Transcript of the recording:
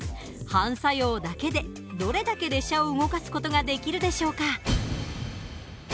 反作用だけでどれだけ列車を動かす事ができるでしょうか？